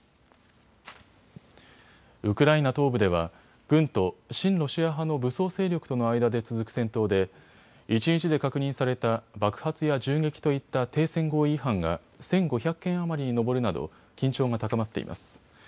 ウクライナ東部では軍と親ロシア派の武装勢力との間で続く戦闘で一日で確認された爆発や銃撃といった停戦合意違反が１５００件余りに上るなど緊張が高まっています。